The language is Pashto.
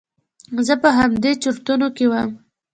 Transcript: زه په همدې چرتونو کې وم.